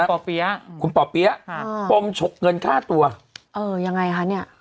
ป่อเปี๊ยะคุณป่อเปี๊ยะค่ะปมฉกเงินฆ่าตัวเออยังไงคะเนี่ย